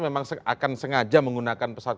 memang akan sengaja menggunakan pesawat